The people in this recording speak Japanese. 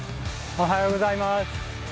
おはようございます。